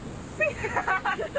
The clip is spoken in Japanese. ハハハハ！